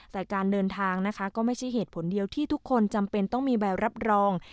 แต่การเดินทางนะคะก็ไม่ใช่เหตุผลเดียวที่ทุกคนจำเป็นต้องมีใบรับรอง